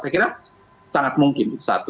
saya kira sangat mungkin satu